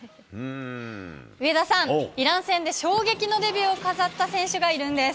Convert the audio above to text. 上田さん、イラン戦で衝撃のデビューを飾った選手がいるんです。